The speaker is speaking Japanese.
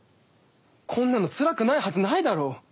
こんなのつらくないはずないだろう。